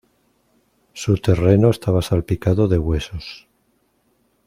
Su terreno estaba salpicado de huesos.